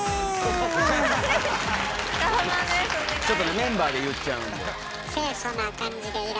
ちょっとねメンバーで言っちゃうんで。